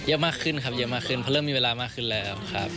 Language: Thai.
มากขึ้นครับเยอะมากขึ้นเพราะเริ่มมีเวลามากขึ้นแล้วครับ